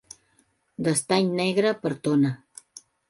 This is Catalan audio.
d'estany negre per tona.